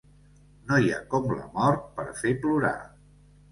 No hi ha com la mort per fer plorar.